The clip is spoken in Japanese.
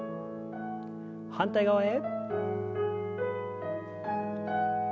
反対側へ。